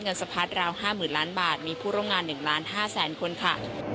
เงินสะพัดราว๕หมื่นล้านบาทมีผู้โรงงาน๑ล้าน๕แสนคนค่ะ